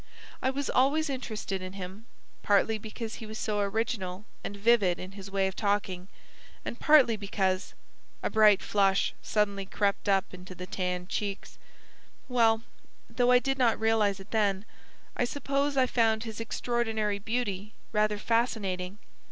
"I was always interested in him, partly because he was so original and vivid in his way of talking, and partly because" a bright flush suddenly crept up into the tanned cheeks "well, though I did not realise it then, I suppose I found his extraordinary beauty rather fascinating.